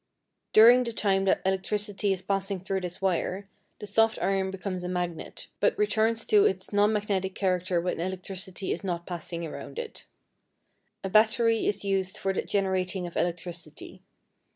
During the time that electricity is passing through this wire, the soft iron becomes a magnet, but returns to its nonmagnetic character when electricity is not passing around it. A battery is used for the generating of electricity.